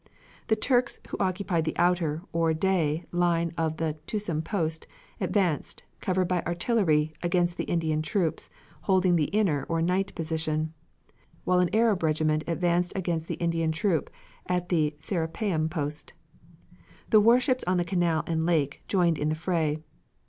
The Turks, who occupied the outer, or day, line of the Tussum post, advanced, covered by artillery, against the Indian troops, holding the inner or night position, while an Arab regiment advanced against the Indian troop at the Serapeum post. The warships on the Canal and lake joined in the fray.